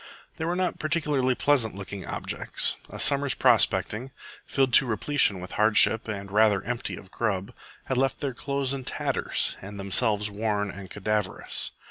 They were not particularly pleasant looking objects. A summer's prospecting, filled to repletion with hardship and rather empty of grub, had left their clothes in tatters and themselves worn and cadaverous.